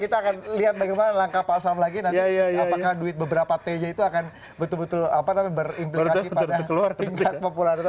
kita akan lihat bagaimana langkah pak sam lagi nanti apakah duit beberapa t nya itu akan betul betul berimplikasi pada tingkat popularitas